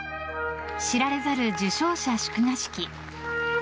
知られざる受賞者祝賀式。